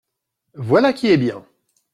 Voilà qui est bien !